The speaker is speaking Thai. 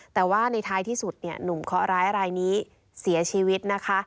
แต่ว่าในท้ายที่สุดเนี่ยหนุ่มเคาะร้ายรายนี้เสียชีวิตนะคะ